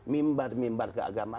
mimbar mimbar ke agama